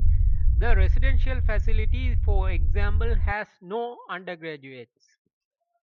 The residential facility, for example, has no undergraduates.